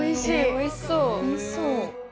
おいしそう。